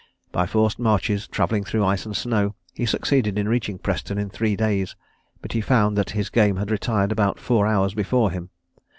By forced marches, travelling through ice and snow, he succeeded in reaching Preston in three days, but he found that his game had retired about four hours before him.